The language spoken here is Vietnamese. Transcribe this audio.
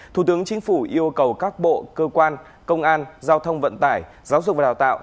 thủ tướng chính phủ yêu cầu các bộ cơ quan công an giao thông vận tải giáo dục và đào tạo